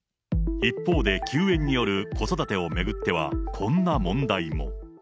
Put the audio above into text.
一方で、休園による子育てを巡っては、こんな問題も。